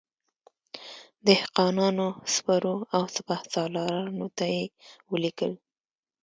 دهقانانو، سپرو او سپه سالارانو ته یې ولیکل.